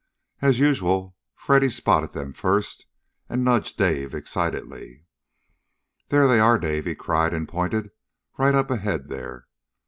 As usual, Freddy spotted them first and nudged Dave excitedly. "There they are, Dave!" he cried, and pointed. "Right up ahead, there.